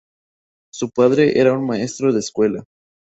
Su padre era un maestro de escuela.